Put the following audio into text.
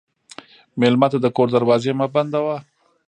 مېلمه ته د کور دروازې مه بندوه.